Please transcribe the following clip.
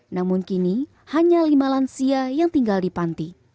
namun kini hanya lima lansia yang tinggal di panti